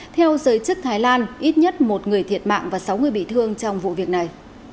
theo giới chức thái lan ít nhất một người thiệt mạng và sáu người bị thương trong vụ việc này